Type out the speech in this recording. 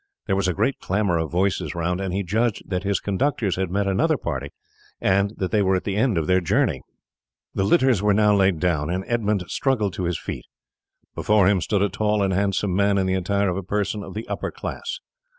There was a great clamour of voices round, and he judged that his conductors had met another party and that they were at the end of their journey. The litters were now laid down and Edmund struggled to his feet. Before him stood a tall and handsome man in the attire of a person of the upper class.